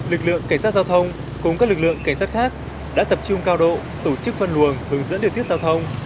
lực lượng cảnh sát giao thông cùng các lực lượng cảnh sát khác đã tập trung cao độ tổ chức phân luồng hướng dẫn điều tiết giao thông